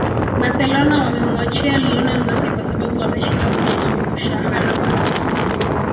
barcelona wamemuachia lionel messi kwa sababu wameshinda kulipa mshahala wake